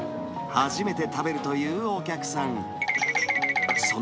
初めて食べるというお客さん。